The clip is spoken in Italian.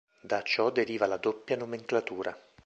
Da ciò deriva la doppia nomenclatura.